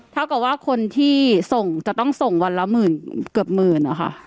เท่ากับว่าคนที่ส่งจะต้องส่งวันละหมื่นเกือบหมื่นนะคะ